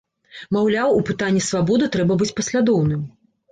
Маўляў, у пытання свабоды трэба быць паслядоўным.